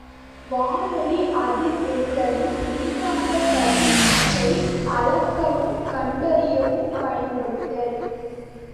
வானொலி அதிர்வெண்களின் மின்காந்த கதிர் வீச்சை அளக்கவும் கண்டறியவும் பயன்படுதல்.